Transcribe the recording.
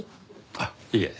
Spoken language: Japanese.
あっいえ。